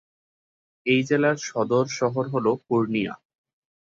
এই জেলার সদর শহর হল পূর্ণিয়া।